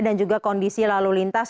dan juga kondisi lalu lintas